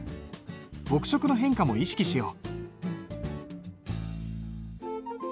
墨色の変化も意識しよう。